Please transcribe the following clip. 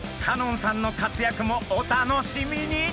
香音さんの活躍もお楽しみに！